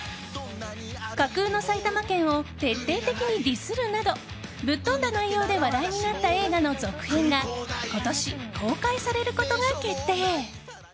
架空の埼玉県を徹底的にディスるなどぶっ飛んだ内容で話題になった映画の続編が今年、公開されることが決定。